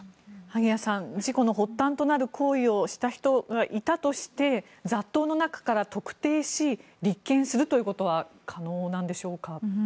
萩谷さん事故の発端となる行為をした人がいたとして雑踏の中から特定し立件するということは可能なんでしょうか？